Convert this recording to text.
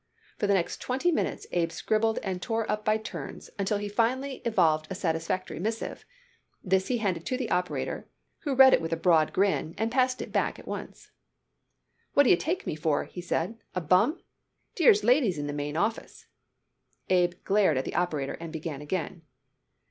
For the next twenty minutes Abe scribbled and tore up by turns until he finally evolved a satisfactory missive. This he handed to the operator, who read it with a broad grin and passed it back at once. "Wot d'ye take me for?" he said. "A bum? Dere's ladies in de main office." Abe glared at the operator and began again.